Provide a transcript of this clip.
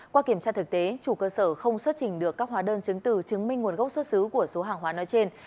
qua kiểm tra thực tế chủ cơ sở không xuất trình được các hóa đơn chứng từ chứng minh nguồn gốc xuất xứ của số hàng hóa nói trên